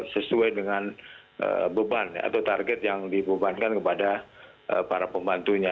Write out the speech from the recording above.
sesuai dengan beban atau target yang dibebankan kepada para pembantunya